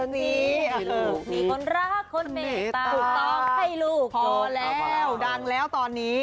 มีคนรักคนเมตตาถูกต้องให้ลูกพอแล้วดังแล้วตอนนี้